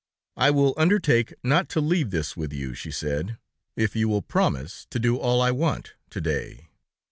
"I will undertake not to leave this with you," she said, "if you will promise to do all I want to day."